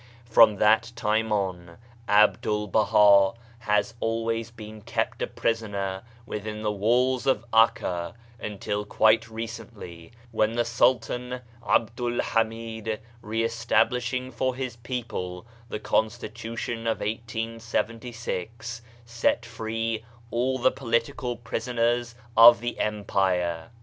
From that time on, 'Abdu'l Baha has always been kept a prisoner within the walls of *Akka until quite recently, when the Sultan 'Abdu'l Hamld, re establishing for his people the constitu tion of 1876, set free all the political prisoners of the Empire.